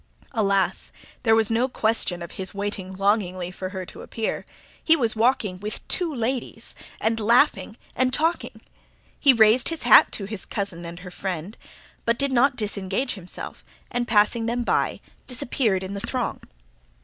Alas! there was no question of his waiting longingly for her to appear. He was walking with two ladies, and laughing and talking. He raised his hat to his cousin and her friend, but did not disengage himself, and passing them by disappeared in the throng.